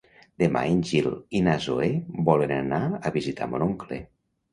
Demà en Gil i na Zoè volen anar a visitar mon oncle.